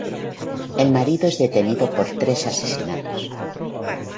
El marido es detenido por tres asesinatos.